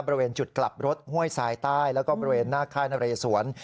บริเวณจุดกลับรถห้วยทรายใต้แล้วก็บริเวณหน้าค่ายนเรสวน